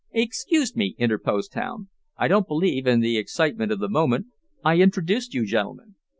"Excuse me," interposed Tom, "I don't believe, in the excitement of the moment, I introduced you gentlemen.